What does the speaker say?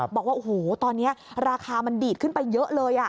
บอกว่าโอ้โหตอนนี้ราคามันดีดขึ้นไปเยอะเลย